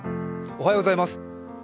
おはようございます。